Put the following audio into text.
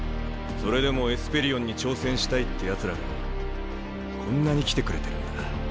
それでもエスペリオンに挑戦したいってやつらがこんなに来てくれてるんだ。